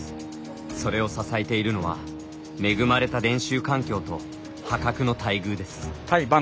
それを支えているのは恵まれた練習環境と破格の待遇です。